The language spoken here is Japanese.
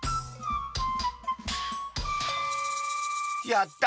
やった！